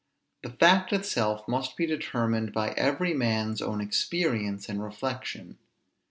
The fact itself must be determined by every man's own experience and reflection.